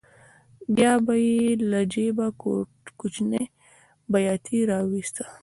بیا به یې له جېبه کوچنۍ بیاتي راوویسته.